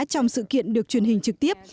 trong sự kiện được truyền hình trực tiếp